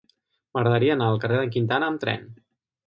M'agradaria anar al carrer d'en Quintana amb tren.